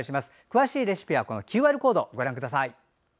詳しいレシピはＱＲコードご覧ください。